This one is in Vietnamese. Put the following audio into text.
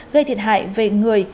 gây thiệt hại về người